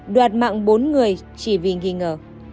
đoạt mạng bốn người chỉ vì nghi ngờ